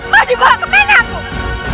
kau dibawa ke mana aku